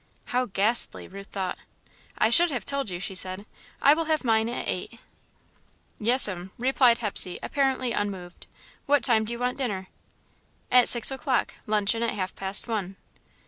"How ghastly," Ruth thought. "I should have told you," she said, "I will have mine at eight." "Yes'm," replied Hepsey, apparently unmoved. "What time do you want dinner?" "At six o'clock luncheon at half past one."